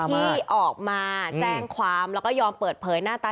ที่ออกมาแจ้งความแล้วก็ยอมเปิดเผยหน้าตา